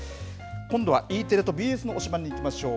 今度はＥテレとＢＳの推しバン！にいきましょう。